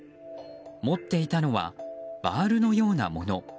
持っていたのはバールのようなもの。